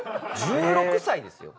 １６歳ですよ？